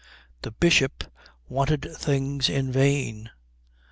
The Bishop wanted things in vain.